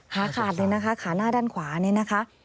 ขาขาดเลยนะคะขาหน้าด้านขวานี่นะคะ